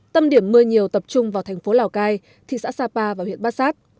tâm điểm mưa nhiều tập trung vào thành phố lào cai thị xã sapa và huyện bát sát